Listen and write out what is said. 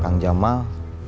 kata kang jamal